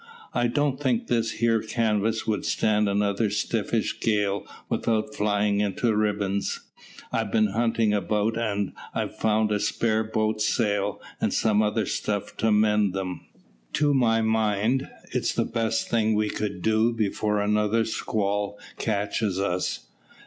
"I don't think this here canvas would stand another stiffish gale without flying into ribbons. I've been hunting about, and I've found a spare boat's sail and some other stuff to mend them. To my mind, it's the best thing we could do before another squall catches us."